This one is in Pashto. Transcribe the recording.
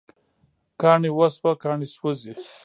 کاڼي وسوه، کاڼي سوزی